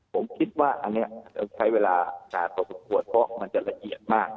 ผมคิดว่าอันเนี่ยใช้เวลาตัดเวลาต่อกว่าเพราะมันจะระเงียดมาก